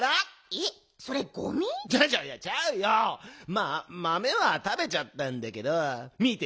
まあまめはたべちゃったんだけどみて。